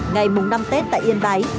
ngày mùng năm tết tại yên bái